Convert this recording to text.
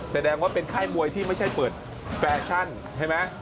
แสดงว่าเป็นแค่มวยที่ไม่ใช่เปิดแฟสชันใช่มั้ย